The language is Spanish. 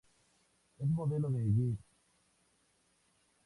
Es modelo de Guess.